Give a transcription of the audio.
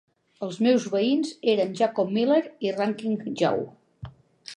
Els seus veïns eren Jacob Miller i Ranking Joe.